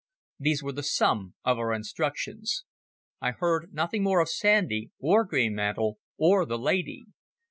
These were the sum of our instructions. I heard nothing more of Sandy or Greenmantle or the lady.